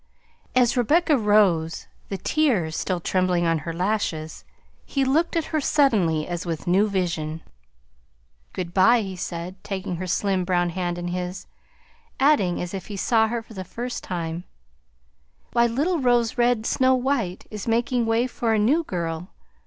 As Rebecca rose, the tears still trembling on her lashes, he looked at her suddenly as with new vision. "Good by!" he said, taking her slim brown hands in his, adding, as if he saw her for the first time, "Why, little Rose Red Snow White is making way for a new girl!